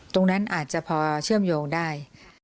ตรงนั้นอาจจะพอเชื่อมโยงได้